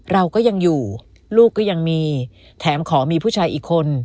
เราก็ยังอยู่ลูกก็ยังมีแถมขอมีผู้ชายอีกคน